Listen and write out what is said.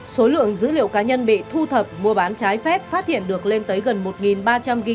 số lượng dữ liệu cá nhân bị thu thập mua bán trái phép phát hiện được lên tới gần một ba trăm linh g